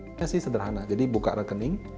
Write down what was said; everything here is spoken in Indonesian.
investasi sederhana jadi buka rekening